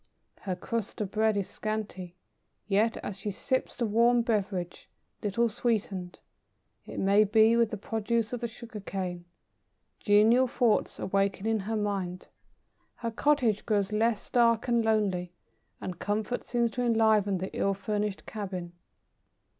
Her crust of bread is scanty, yet as she sips the warm beverage little sweetened, it may be, with the produce of the sugar cane genial thoughts awaken in her mind; her cottage grows less dark and lonely, and comfort seems to enliven the ill furnished cabin.